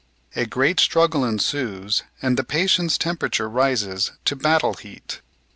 A great struggle ensues, and the patient's temperature rises to "battle heat."